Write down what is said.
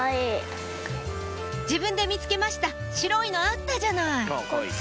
自分で見つけました白いのあったじゃない！